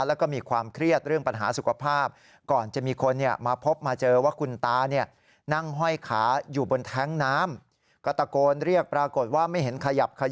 แล้วก็มีความเครียดเรื่องปัญหาสุขภาพ